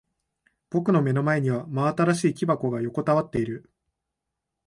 僕の目の前には真新しい木箱が横たわっている。